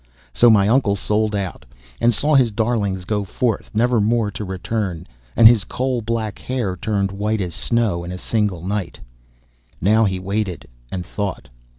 So my uncle sold out, and saw his darlings go forth, never more to return; and his coal black hair turned white as snow in a single night. Now he waited, and thought.